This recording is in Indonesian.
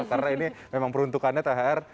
karena ini memang peruntukannya thr